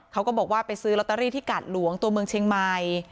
เขาก็บอกว่าไปซื้อลอตเตอรี่ที่กาดหลวงตัวเมืองเชียงใหม่